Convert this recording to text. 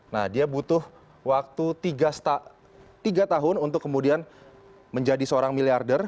nah dia butuh waktu tiga tahun untuk kemudian menjadi seorang miliarder